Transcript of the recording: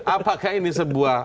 apakah ini sebuah